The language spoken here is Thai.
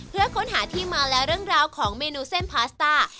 เพื่อค้นหาที่มาและเรื่องราวของเมนูเส้นพาสต้า